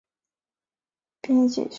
为侯姓集居区。